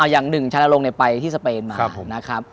อย่างหนึ่งชั้นอารมณ์ไปที่สเปนมา